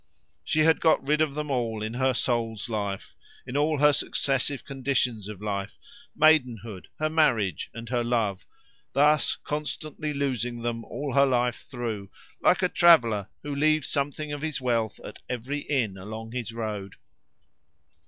She had got rid of them all in her soul's life, in all her successive conditions of life, maidenhood, her marriage, and her love thus constantly losing them all her life through, like a traveller who leaves something of his wealth at every inn along his road.